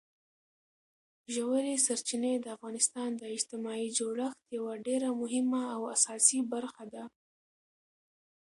ژورې سرچینې د افغانستان د اجتماعي جوړښت یوه ډېره مهمه او اساسي برخه ده.